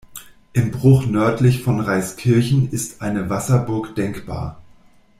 Im Bruch nördlich von Reiskirchen ist eine Wasserburg denkbar.